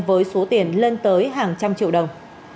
với số tiền lên tới hàng trăm triệu đồng